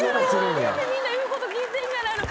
それでみんな言うこと聞いてんじゃないの。